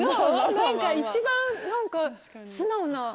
一番何か素直な。